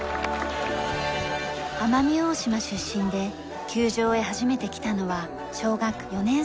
奄美大島出身で球場へ初めて来たのは小学４年生の頃。